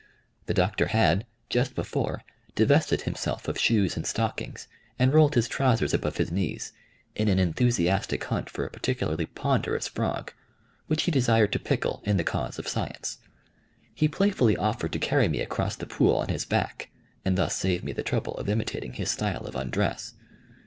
The Doctor had, just before, divested himself of shoes and stockings and rolled his trousers above his knees, in an enthusiastic hunt for a particularly ponderous frog, which he desired to pickle in the cause of science. He playfully offered to carry me across the pool on his back, and thus save me the trouble of imitating his style of undress.